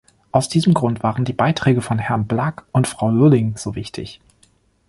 Aus diesem Grund waren die Beiträge von Herrn Blak und Frau Lulling so wichtig.